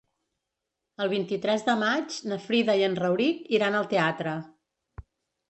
El vint-i-tres de maig na Frida i en Rauric iran al teatre.